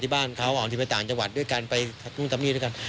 บางทีไปต่างจังหวัดด้วยกันไปทั้งนู่นทั้งนี้ด้วยกัน